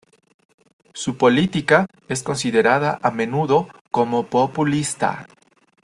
Su política es considerada a menudo como populista.